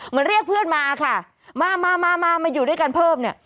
มันเรียกเพื่อนมาค่ะมามาอยู่ด้วยกันเพิ่ม